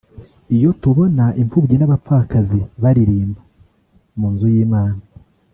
Iyo tubona impfubyi n’abapfakazi baririmba mu nzu y’Imana